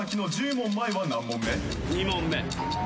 ２問目。